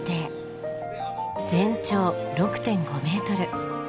全長６．５メートル。